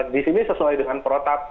di sini sesuai dengan protap